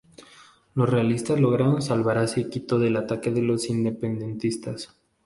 Los realistas lograron salvar así a Quito del ataque de los independentistas.